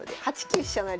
８九飛車成。